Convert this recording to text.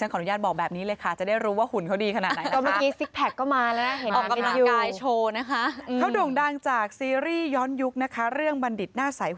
ฉันขออนุญาตบอกแบบนี้เลยค่ะจะได้รู้ว่าหุ่นเขาดีขนาดไหน